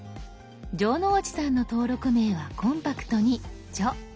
城之内さんの登録名はコンパクトに「じょ」。